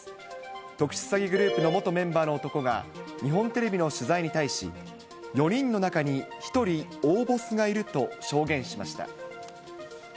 特殊詐欺グループの元メンバーの男が、日本テレビの取材に対し、４人の中に１人、大ボスがいると証言しました。